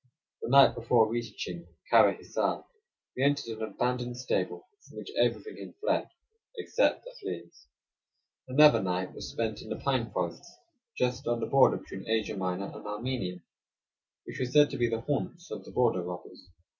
The night before reaching Kara Hissar, we entered an abandoned stable, from which everything had fled except the fleas. Another night was spent in the pine forests just on the border between Asia Minor and Armenia, which were said to be the haunts of the border robbers.